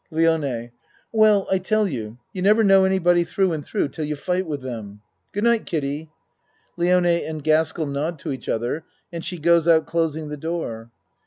LIONE Well, I tell you, you never know any body through and through till you fight with them. Good night, Kiddie. (Lione and Gaskell nod to each other and she goes out closing the door.)